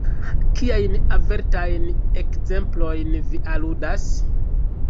Kiajn avertajn ekzemplojn vi aludas?